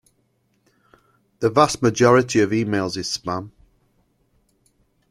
The vast majority of emails is Spam.